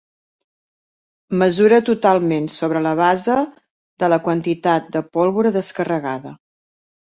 Mesura totalment sobre la base de la quantitat de pólvora descarregada.